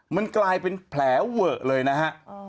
มันกลายเป็นแผลเวอะเลยนะฮะ